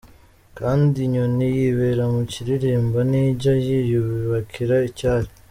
Kandi inyoni yibera mu kuririmba ntijya yiyubakira icyari.